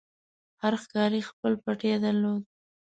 هر ښکاري خپل پټی درلود.